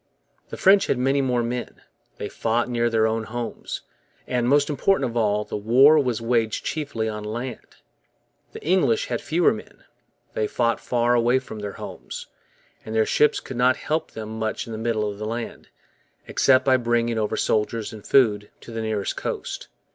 The French had many more men, they fought near their own homes, and, most important of all, the war was waged chiefly on land. The English had fewer men, they fought far away from their homes, and their ships could not help them much in the middle of the land, except by bringing over soldiers and food to the nearest coast.